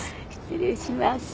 失礼します。